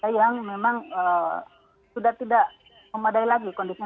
yang memang sudah tidak memadai lagi kondisinya